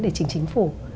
để chính chính phủ